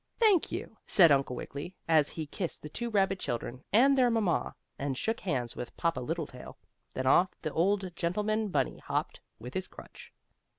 "Thank you," said Uncle Wiggily, as he kissed the two rabbit children and their mamma, and shook hands with Papa Littletail. Then off the old gentleman bunny hopped with his crutch.